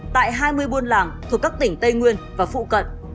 tại hai mươi buôn làng thuộc các tỉnh tây nguyên và phụ cận